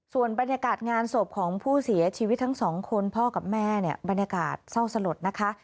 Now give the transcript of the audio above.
ส่วนบรรยากาศงานศพของผู้เสียชีวิตทั้งสองคนพ่อกับแม่เนี่ยบรรยากาศเศร้าสลดนะคะ